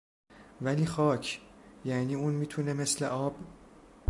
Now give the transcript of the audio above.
ولی خاک! یعنی اون میتونه مثل آب